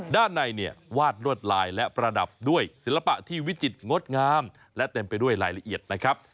ด้านในเนี่ยวาดลวดลายและประดับด้วยศิลปะที่วิจิตรงดงามและเต็มไปด้วยรายละเอียดนะครับ